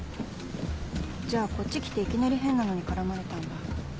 じゃあこっち来ていきなり変なのに絡まれたんだ。